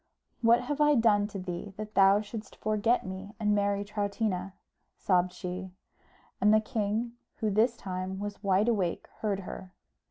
"What have I done to thee, that thou shouldst forget me and marry Troutina?" sobbed she; and the king, who this time was wide awake, heard her.